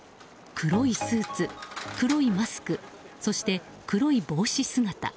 黒いスーツ、黒いマスクそして、黒い帽子姿。